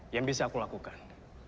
yang bisa aku lakukan